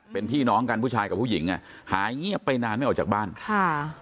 เป็นพี่น้องกันผู้ชายกับผู้หญิงอ่ะหายเงียบไปนานไม่ออกจากบ้านค่ะ